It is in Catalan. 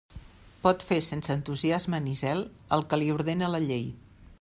Pot fer, sense entusiasme ni zel, el que li ordena la llei.